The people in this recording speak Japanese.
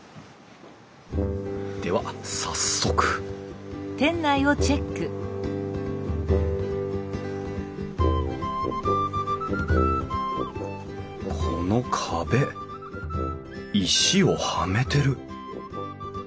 では早速この壁石をはめてる。